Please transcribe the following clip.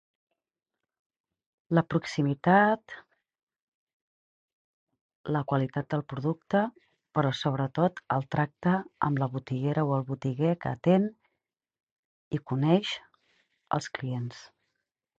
La proximitat, la qualitat del producte, però sobretot, el tracte amb la botiguera o el botiguer que atén i coneix els clients.